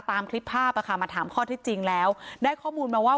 ตามคลิปภาพมาถามข้อที่จริงแล้วได้ข้อมูลมาว่า